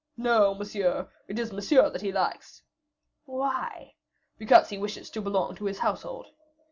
"No, monsieur, it is Monsieur that he likes." "Why?" "Because he wishes to belong to his household."